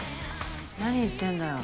何言ってんだよ。